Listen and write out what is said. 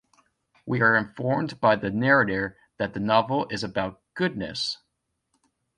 We are informed by the narrator that the novel is about "goodness".